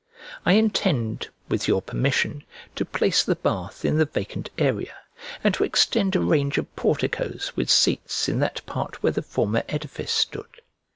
I intend, with your permission, to place the bath in the vacant area, and to extend a range of porticoes with seats in that part where the former edifice stood.